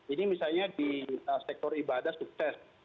ini misalnya di sektor ibadah sukses